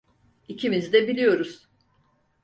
İkimiz de biliyoruz.